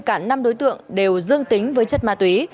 cả năm đối tượng đều dương tính với chất ma túy